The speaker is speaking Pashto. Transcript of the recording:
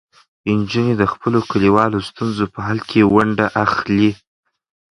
نجونې د خپلو کلیوالو ستونزو په حل کې ونډه اخلي.